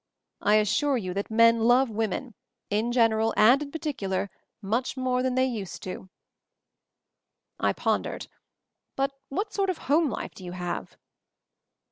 I assure you that men love women, in general and in particular, much more than they used to." I pondered. "But — what sort of home life do you have?"